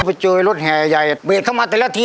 ไปเจอรถแห่ใหญ่เบสเข้ามาแต่ละที